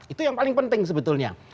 itu yang paling penting sebetulnya